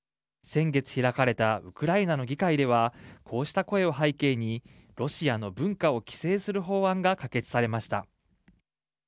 先月、開かれたウクライナの議会ではこうした声を背景に、ロシアの文化を規制する法案が可決されました。